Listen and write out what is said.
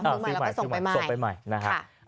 ซื้อใหม่แล้วก็ส่งไปใหม่ส่งไปใหม่นะครับ